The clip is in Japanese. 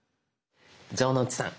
城之内さん